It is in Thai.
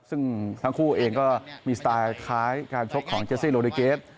ซึ่งทั้งคู่เองก็มีสไตล์ท้ายการชกของเจซี่โลดิเกส